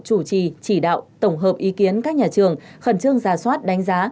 chủ trì chỉ đạo tổng hợp ý kiến các nhà trường khẩn trương ra soát đánh giá